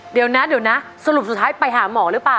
เดี๋ยวนะเดี๋ยวนะสรุปสุดท้ายไปหาหมอหรือเปล่า